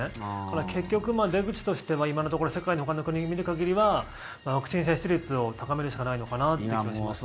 結局出口としては今のところ世界のほかの国を見る限りではワクチン接種率を高めるしかないのかなと思いますね。